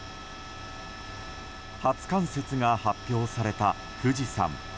初冠雪が発表された富士山。